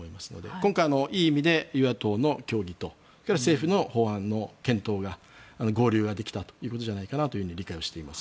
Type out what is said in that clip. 今回いい意味で与野党の協議とそれから政府の法案の検討が合流をできたということじゃないかと思っています。